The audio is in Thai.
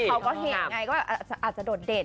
เขาก็เห็นไงก็อาจจะโดดเด่น